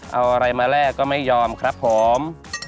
เอาอะไรมาแลกก็ไม่ยอมครับผม